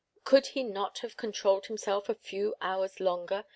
Could he not have controlled himself a few hours longer?